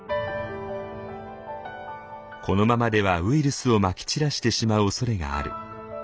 このままではウイルスをまき散らしてしまうおそれがある。